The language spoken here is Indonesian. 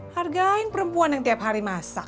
hargain perempuan yang tiap hari masak